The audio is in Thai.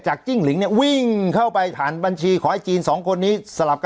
จิ้งหลิงเนี่ยวิ่งเข้าไปผ่านบัญชีขอให้จีนสองคนนี้สลับกัน